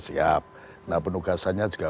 siap nah penugasannya juga